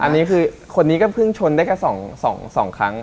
คนนี้ผมก็เกี่ยวกับเพิ่งชนได้สองครั้ง